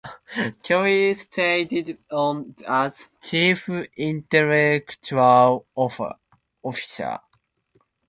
Kelley stayed on as "Chief Intellectual Officer".